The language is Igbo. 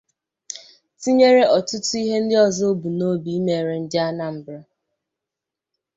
tinyere ọtụtụ ihe ndị ọzọ o bu n'obi imere ndị Anambra.